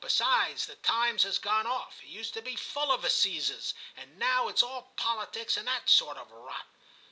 Besides, the Times has gone off; it used to be full of assizes, and now it's all politics and that sort of rot.'